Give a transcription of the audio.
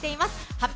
発表！